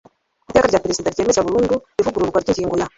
iteka rya perezida ryemeza burundu ivugururwa ry'ingingo ya